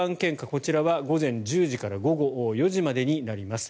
こちらは午前１０時から午後４時までになります。